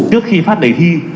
trước khi phát đầy thi